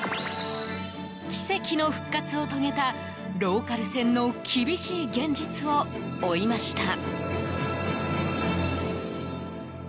奇跡の復活を遂げたローカル線の厳しい現実を追いました。